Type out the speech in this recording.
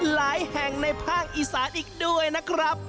หลายแห่งในภาคอีสานอีกด้วยนะครับ